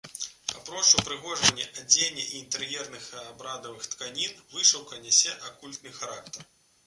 Апроч упрыгожвання адзення і інтэр'ерных абрадавых тканін, вышыўка нясе акультны характар.